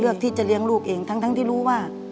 ที่จะเลี้ยงลูกเองทั้งที่รู้ว่า